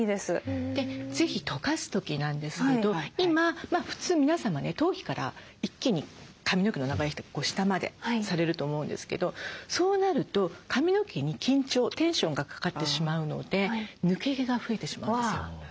ぜひとかす時なんですけど今普通皆様ね頭皮から一気に髪の毛の長い人は下までされると思うんですけどそうなると髪の毛に緊張テンションがかかってしまうので抜け毛が増えてしまうんですよ。